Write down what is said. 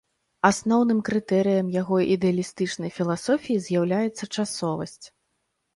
Асноўным крытэрыем яго ідэалістычнай філасофіі з'яўляецца часовасць.